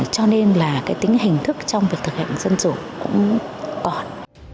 cho nên là cái tính hình thức trong việc thực hành dân chủ cũng còn